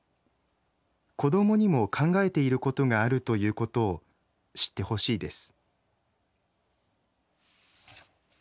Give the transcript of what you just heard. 子どもにも考えていることがあるということを知ってほしいです」。